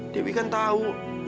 dewi kan tahu